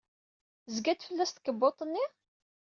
Tezga-d fell-as tkebbuḍt-nni?